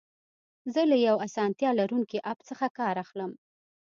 زه له یو اسانتیا لرونکي اپ څخه کار اخلم.